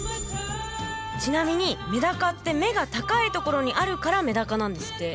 ちなみにメダカって目が高いところにあるからメダカなんですって。